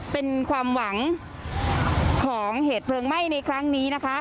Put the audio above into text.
เป็นความหวังของเหตุเพลิงไหม้ในครั้งนี้นะคะ